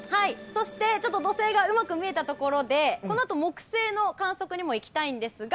土星がうまく見えたところでこのあと木星の観測にもいきたいんですが。